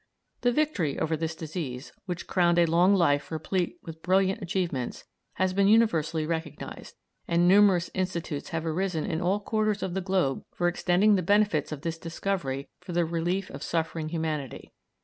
The victory over this disease, which crowned a long life replete with brilliant achievements, has been universally recognised, and numerous institutes have arisen in all quarters of the globe for extending the benefits of this discovery for the relief of suffering humanity.